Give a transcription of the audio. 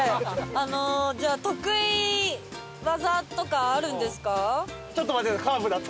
あのじゃあ得意技とかあるんですか？